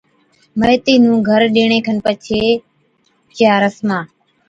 ميٿِي نُون گھر ڏِيئڻي کن پڇي چِيا رسمان،